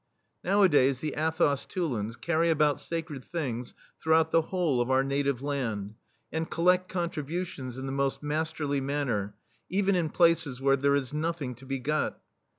Nowadays the " Athos Tulans " carry about sacred things throughout the whole of our native land, and colledt contributions in the most masterly manner, even in places where there is nothing to be got.